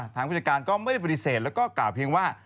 ทางผู้จักรก็ไม่พิเศษแล้วก็กล่าวเพียงว่า